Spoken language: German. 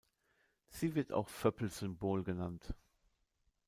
Sie wird auch "Föppl-Symbol" genannt.